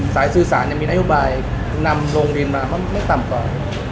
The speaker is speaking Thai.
สายสื่อสารมีนโยบายนำโรงเรียนมาไม่ต่ำกว่า